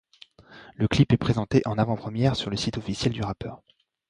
Le clip est présenté en avant-première le sur le site officiel du rappeur.